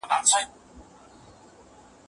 د نقاب لاندې پرده كړې كه سلام كړې؟